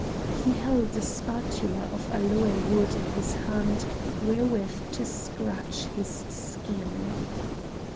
He held a spatula of aloe wood in his hand wherewith to scratch his skin.